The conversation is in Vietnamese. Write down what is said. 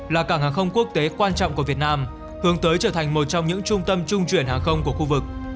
là cảng hàng không quốc tế quan trọng của việt nam hướng tới trở thành một trong những trung tâm trung chuyển hàng không của khu vực